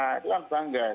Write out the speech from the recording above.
itu kan bangga